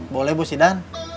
boleh bos idan